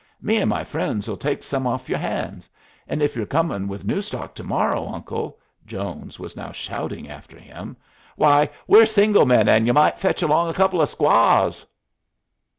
Me and my friend'll take some off your hands. And if you're comin' with new stock to morrow, uncle" (Jones was now shouting after him), "why, we're single men, and y'u might fetch along a couple of squaws!"